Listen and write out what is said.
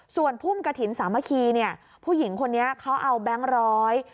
ส่วนพุ่มกระถิ่นสามัคคีเนี่ยผู้หญิงคนนี้เขาเอาแบงค์ร้อย